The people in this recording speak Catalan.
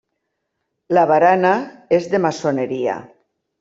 La barana és de maçoneria.